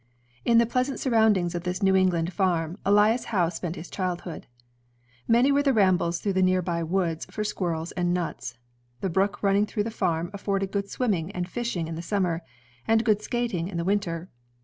In the pleasant sur roundings of this New England farm, Elias Howe spent his childhood. Many were the rambles ■ through the near by woods for squirrels and nuts. The brook running through the farm afforded good swimming and fishing in the summer, and good skating in the winter.